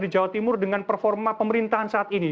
di jawa timur dengan performa pemerintahan saat ini